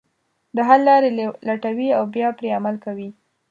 د حل لارې لټوي او بیا پرې عمل کوي.